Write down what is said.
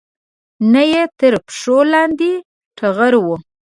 نه یې تر پښو لاندې ټغر و